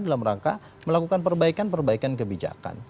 dalam rangka melakukan perbaikan perbaikan kebijakan